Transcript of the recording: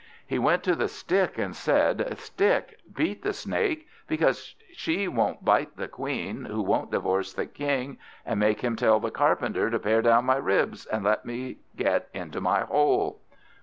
He went to the Stick, and said, "Stick, beat the Snake, because she won't bite the Queen, who won't divorce the King and make him tell the Carpenter to pare down my ribs, and let me get into my hole."